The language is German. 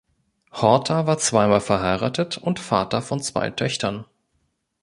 Horta war zweimal verheiratet und Vater von zwei Töchtern.